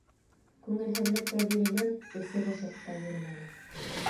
Күңелһеҙлеккә бирелеп эсе бошоп та йөрөмәне.